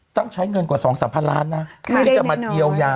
ต้องใช้เงินกว่า๒๓พันล้านนะไม่ได้แน่นอนหรือจะมาเยียวยา